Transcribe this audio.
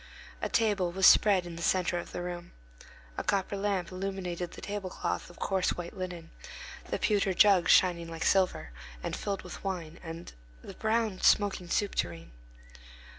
A table was spread in the centre of the room. A copper lamp illuminated the tablecloth of coarse white linen, the pewter jug shining like silver, and filled with wine, and the brown, smoking soup tureen.